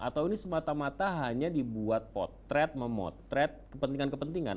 atau ini semata mata hanya dibuat potret memotret kepentingan kepentingan